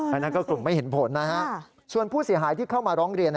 อันนั้นก็กลุ่มไม่เห็นผลนะฮะส่วนผู้เสียหายที่เข้ามาร้องเรียน